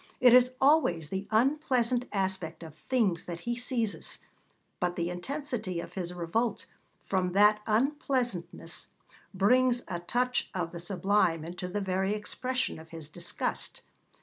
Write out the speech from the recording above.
It is always the unpleasant aspect of things that he seizes, but the intensity of his revolt from that unpleasantness brings a touch of the sublime into the very expression of his disgust.